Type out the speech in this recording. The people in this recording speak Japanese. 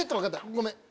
ごめん！